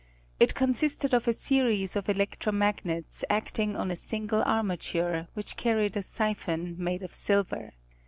It con sisted of a series of electro magnets acting on a single armature, which carried a siphon madé of silver.